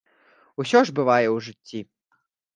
Усё ж бывае ў жыцці.